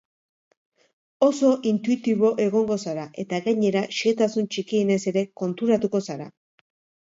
Oso intuitibo egongo zara, eta gainera xehetasun txikienez ere konturatuko zara.